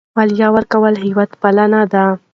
مالیه ورکول هېوادپالنه ده.